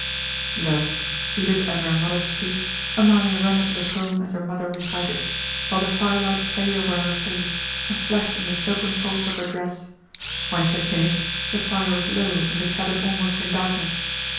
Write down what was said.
Thus, seated at her mother's feet, Amalia rendered the poem as her mother recited, while the firelight played over her face and flashed in the silken folds of her dress. When she had finished, the fire was low and the cabin almost in darkness.